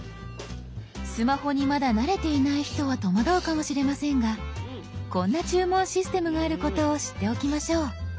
スマホにまだ慣れていない人は戸惑うかもしれませんがこんな注文システムがあることを知っておきましょう。